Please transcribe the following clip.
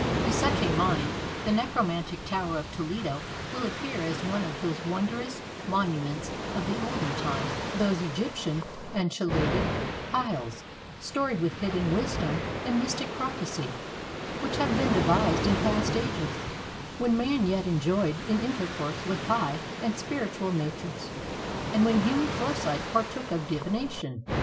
To such a mind the necromantic tower of Toledo will appear as one of those wondrous monuments of the olden time; one of those Egyptian and Chaldaic piles, storied with hidden wisdom and mystic prophecy, which have been devised in past ages, when man yet enjoyed an intercourse with high and spiritual natures, and when human foresight partook of divination."